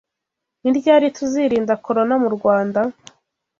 Niryari tuzirinda corona mu Rwanda?